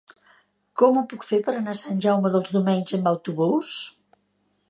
Com ho puc fer per anar a Sant Jaume dels Domenys amb autobús?